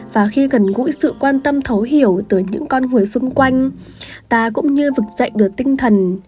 và khi gần gũi sự quan tâm thấu hiểu từ những con người xung quanh ta cũng như vực dậy được tinh thần